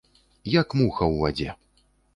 Як муха ў вадзе.